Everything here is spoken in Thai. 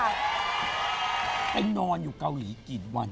ไปนอนอยู่เกาหลีกี่วัน